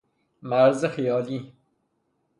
مرض خیالی